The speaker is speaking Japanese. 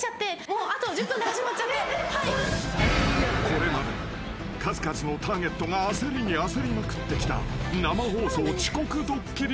［これまで数々のターゲットが焦りに焦りまくってきた］